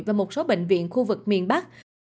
và một số bệnh viện khu vực miền bắc